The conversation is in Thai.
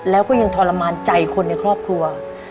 แล้วก็ยังทรมานใจคนในครอบครัว